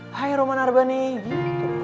hai roman arbane gitu